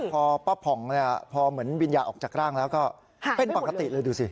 พอป้าผ่องพอเหมือนวิญญาณออกจากร่างแล้วก็เป็นปกติเลยดูสิ